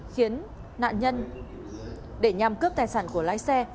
khiến nạn nhân để nhằm cướp tài sản của lái xe